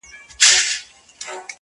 درې ملګري،